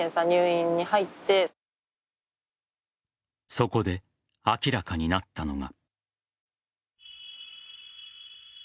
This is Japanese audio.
そこで明らかになったのが。